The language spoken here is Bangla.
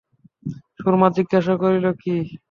সুরমা জিজ্ঞাসা করিল, কী?